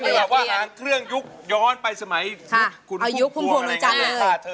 เอาเป็นแบบว่าเครื่องยุคย้อนไปสมัยคุณผู้ปวงอะไรอย่างนั้น